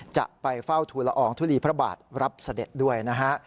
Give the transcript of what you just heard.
จะไปเฝ้าทุลอองทุลีพระบาทรับเสด็จด้วยนะฮะ